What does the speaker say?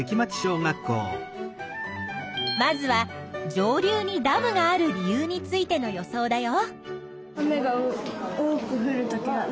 まずは上流にダムがある理由についての予想だよ。